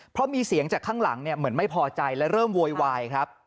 เพราะมีเสียงจากข้างหลังเหมือนไม่พอใจและเริ่มโวยวายครับ